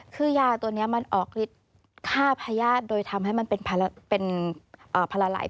คือยาตัวนี้มันออกฤทธิ์ฆ่าพญาติโดยทำให้มันเป็นพลไหล่